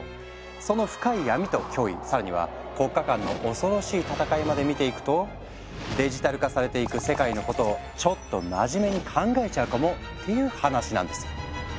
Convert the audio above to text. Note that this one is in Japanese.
その深い闇と脅威更には国家間の恐ろしい戦いまで見ていくとデジタル化されていく世界のことをちょっと真面目に考えちゃうかも？っていう話なんですよ。